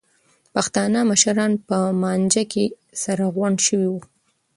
پښتانه مشران په مانجه کې سره غونډ شوي وو.